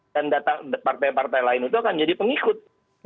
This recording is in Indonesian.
dan partai partai lain itu akan jadi pengikut